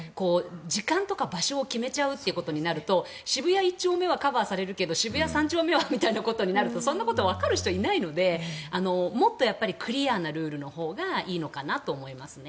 時間とか場所を決めちゃうっていうことになると渋谷１丁目はカバーされるけど渋谷３丁目はということになるとそんなことわかる人いないのでもっとクリアなルールのほうがいいのかなと思いますね。